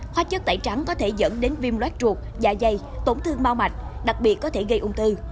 hóa chất tẩy trắng có thể dẫn đến viêm loát ruột dạ dày tổn thương mau mạch đặc biệt có thể gây ung tư